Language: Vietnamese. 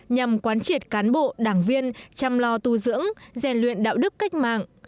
nhằm quán triệt cán bộ đảng viên chăm lo tu dưỡng rèn luyện đạo đức cách mạng